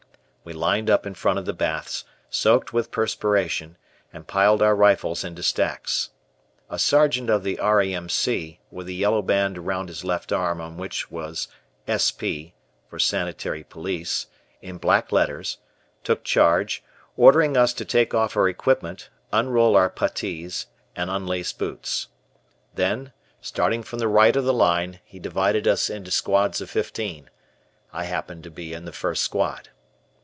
We lined up in front of the baths, soaked with perspiration, and piled our rifles into stacks. A Sergeant of the R. A. M. C. with a yellow band around his left arm on which was "S. P." (Sanitary Police) in black letters, took charge, ordering us to take off our equipment, unroll our puttees, and unlace boots. Then, starting from the right of the line, he divided us into squads of fifteen. I happened to be in the first squad.